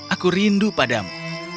aku rindu padamu